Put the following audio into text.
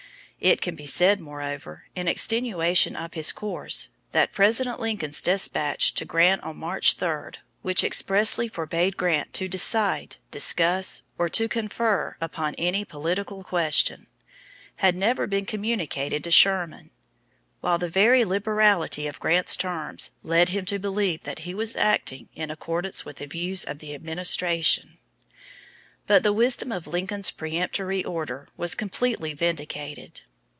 It can be said, moreover, in extenuation of his course, that President Lincoln's despatch to Grant of March 3, which expressly forbade Grant to "decide, discuss, or to confer upon any political question," had never been communicated to Sherman; while the very liberality of Grant's terms led him to believe that he was acting in accordance with the views of the administration. But the wisdom of Lincoln's peremptory order was completely vindicated.